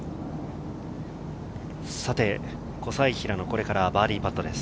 小斉平のこれからバーディーパットです。